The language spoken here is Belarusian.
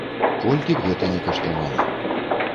Колькі б гэта ні каштавала.